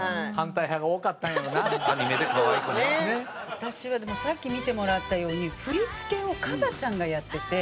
私はでもさっき見てもらったように振り付けをＫＡＢＡ．ちゃんがやってて。